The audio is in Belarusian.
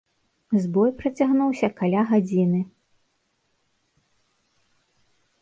Збой працягнуўся каля гадзіны.